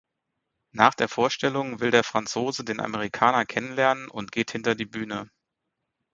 Nach der Vorstellung will der Franzose den Amerikaner kennenlernen und geht hinter die Bühne.